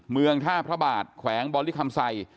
เมืองท่าพระบาทแขวงบริคำไซ